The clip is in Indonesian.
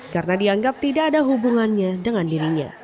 karena dianggap tidak ada hubungannya dengan dirinya